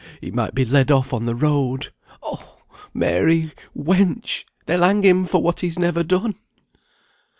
He might be led off on the road. Oh! Mary, wench! they'll hang him for what he's never done."